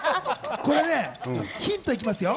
ヒントいきますよ。